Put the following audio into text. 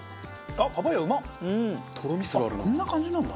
あっこんな感じなんだ。